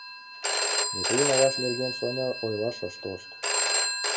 — Метрийын аваж нерген Соня ойлаш ыш тошт.